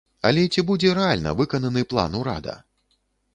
Але ці будзе рэальна выкананы план урада?